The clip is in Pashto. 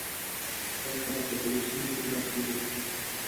بل طرف د فلسطین ځینې برخې لیدل کېږي.